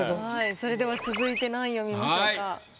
それでは続いて何位を見ましょうか？